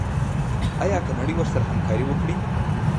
آیا که نړۍ ورسره همکاري وکړي؟